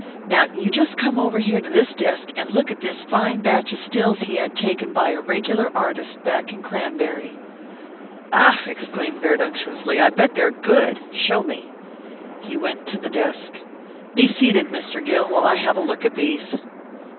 Now you just came over here to this desk and look at this fine batch of stills he had taken by a regular artist back in Cranberry." "Ah!" exclaimed Baird unctuously, "I bet they're good. Show me." He went to the desk. "Be seated, Mr. Gill, while I have a look at these."